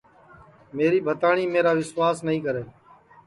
میری بھتاٹؔی میرا وسواس نائی کرے